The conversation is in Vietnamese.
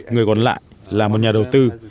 người còn lại là một nhà đầu tư